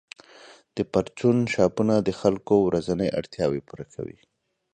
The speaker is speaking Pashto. د پرچون شاپونه د خلکو ورځنۍ اړتیاوې پوره کوي.